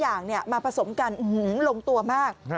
อย่างมาผสมกันลงตัวมาก